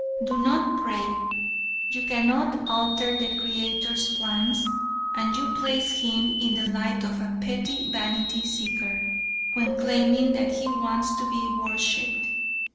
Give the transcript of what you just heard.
"Do not pray; you cannot alter the Creator's plans and you place him in the light of a petty vanity seeker when claiming that he wants to be worshipped.